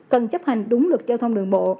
cần chấp hành đúng luật giao thông đường bộ